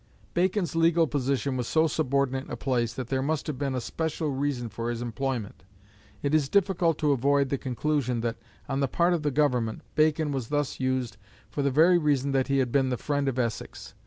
Bacon's legal position was so subordinate a place that there must have been a special reason for his employment. It is difficult to avoid the conclusion that, on the part of the Government, Bacon was thus used for the very reason that he had been the friend of Essex.